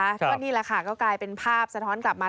ก็นี่แหละค่ะก็กลายเป็นภาพสะท้อนกลับมา